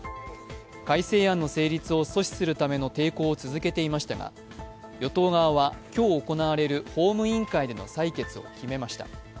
改正案の成立を阻止するための抵抗を続けていましたが与党側は今日行われる法務委員会での採決を決めました。